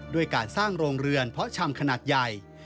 ด้วยการสร้างโรงเรือนเพาะชำขนาดใหญ่